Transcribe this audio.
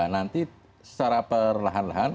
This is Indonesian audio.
nanti secara perlahan lahan